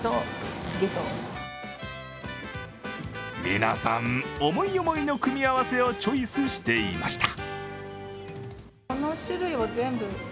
皆さん、思い思いの組み合わせをチョイスしていました。